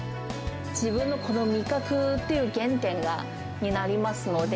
自分の味覚という原点になりますので。